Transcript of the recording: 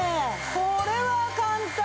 これは簡単！